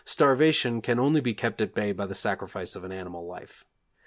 starvation can only be kept at bay by the sacrifice of animal life.